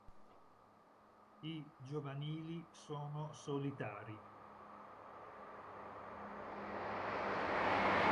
I giovanili sono solitari.